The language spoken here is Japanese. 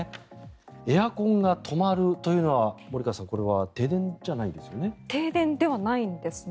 エアコンが止まるというのは森川さんこれは停電じゃないですよね？